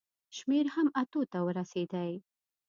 شمېر هم اتو ته ورسېدی.